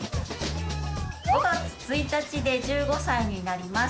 ５月１日で１５歳になります。